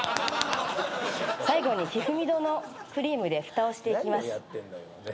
最後にヒフミドのクリームでふたをしていきます。